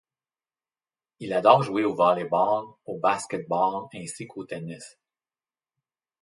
Il adore jouer au volleyball, au basketball ainsi qu'au tennis.